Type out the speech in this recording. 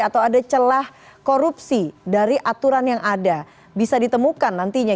atau ada celah korupsi dari aturan yang ada bisa ditemukan nantinya